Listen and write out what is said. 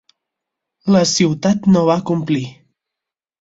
La ciutat no va complir.